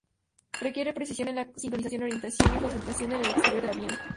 Requiere precisión en la sincronización, orientación y concentración en el exterior del avión.